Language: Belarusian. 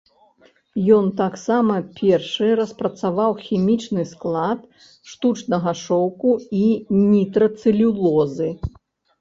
Ён таксама першы распрацаваў хімічны склад штучнага шоўку і нітрацэлюлозы.